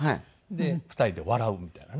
で２人で笑うみたいなね。